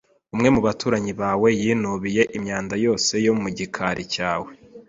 Umwe mu baturanyi bawe yinubiye imyanda yose yo mu gikari cyawe.